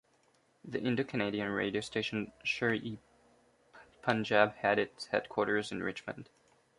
The Indo-Canadian radio station Sher-E-Punjab had its headquarters in Richmond.